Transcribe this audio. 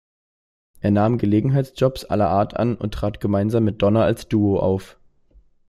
Er nahm Gelegenheitsjobs aller Art an und trat gemeinsam mit Donna als Duo auf.